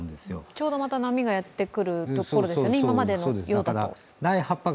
ちょうど波がやってくるところですよね、今までのパターンだと。